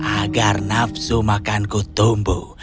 agar nafsu makanku tumbuh